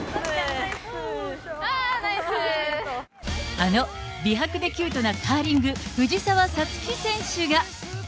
あの美白でキュートなカーリング、藤澤五月選手が。